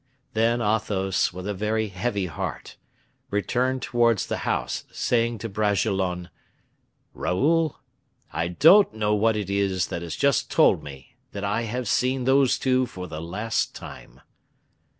Then Athos, with a very heavy heart, returned towards the house, saying to Bragelonne, "Raoul, I don't know what it is that has just told me that I have seen those two for the last time."